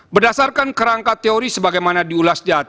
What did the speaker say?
berdasarkan kerangka teori sebagaimana diukur